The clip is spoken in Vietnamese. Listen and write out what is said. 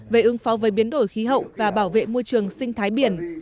về ứng phó với biến đổi khí hậu và bảo vệ môi trường sinh thái biển